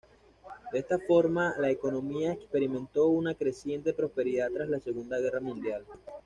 De esta forma, la economía experimentó una creciente prosperidad tras la Segunda Guerra Mundial.